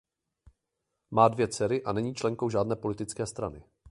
Má dvě dcery a není členkou žádné politické strany.